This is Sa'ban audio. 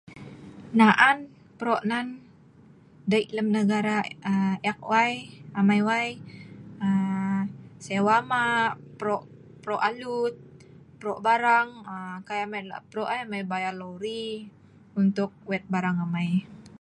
Na'an prok nan dei lem negara eek wai amai wai aa sewa ma', prok alut, prok barang, aa kai amai lak prok ai amai bayar lori untuk wet barang amai